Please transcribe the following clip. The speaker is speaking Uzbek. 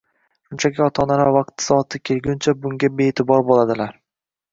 Shunchaki ota-onalar vaqti soati kelguncha bunga bee’tibor bo‘ladilar.